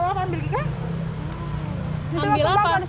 bapak bapak ambil juga